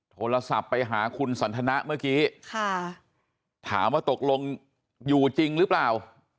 โทรศัพท์ไปหาคุณสันทนะเมื่อกี้ถามว่าตกลงอยู่จริงหรือเปล่า